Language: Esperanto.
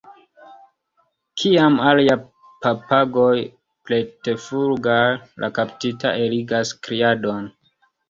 Kiam aliaj papagoj preterflugas, la kaptita eligas kriadon.